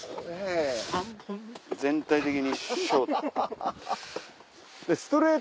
全体的にショート。